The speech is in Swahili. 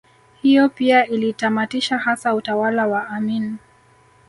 Hiyo pia ilitamatisha hasa utawala wa Amin